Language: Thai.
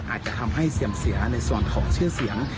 อาจจะทำให้เสื่อมเสียในส่วนของชื่อเสียง